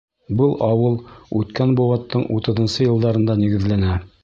Был ауыл үткән быуаттың утыҙынсы йылдарында нигеҙләнә.